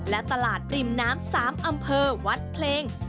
และตลาดริมน้ำ๓อำเภอวัดเพลง